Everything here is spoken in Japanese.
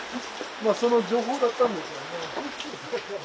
まあその情報だったんですよね。